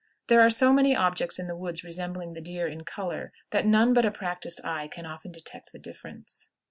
There are so many objects in the woods resembling the deer in color that none but a practiced eye can often detect the difference.